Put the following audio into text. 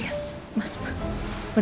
iya mas bener bener